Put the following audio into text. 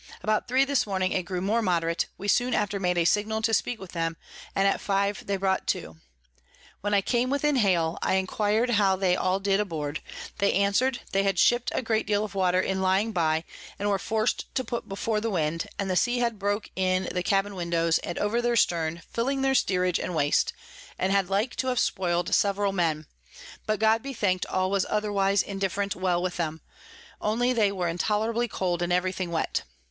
About three this morning it grew more moderate; we soon after made a Signal to speak with them, and at five they brought to: when I came within haile, I enquir'd how they all did aboard; they answer'd, they had ship'd a great deal of Water in lying by, and were forc'd to put before the Wind, and the Sea had broke in the Cabin Windows, and over their Stern, filling their Steerage and Waste, and had like to have spoil'd several Men; but God be thank'd all was otherwise indifferent well with 'em, only they were intolerably cold, and every thing wet.